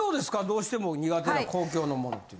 どうしても苦手な公共のモノって？